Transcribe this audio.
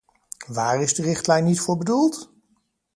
Waar is de richtlijn niet voor bedoeld?